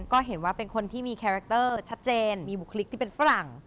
ก็เห็นว่าเป็นคนที่มีคาแรคเตอร์ชัดเจนมีบุคลิกที่เป็นฝรั่ง